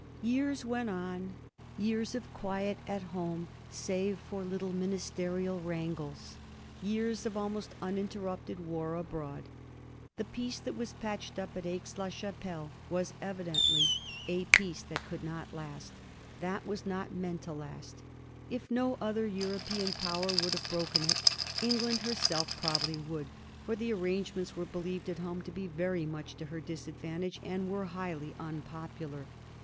Years went on — ^years of quiet at home, save for little ministerial wrangles — years of almost uninterrupted war abroad. The peace that was patched up at Aix la Chapelle was evidently a peace that could not last — that was not meant to last. If no other European power would have broken it, England herself probably would, for the ar rangements were believed at home to be very much to her disadvantage, and were highly unpopular.